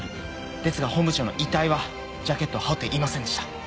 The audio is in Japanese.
ですが本部長の遺体はジャケットを羽織っていませんでした。